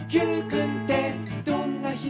「Ｑくんってどんな人？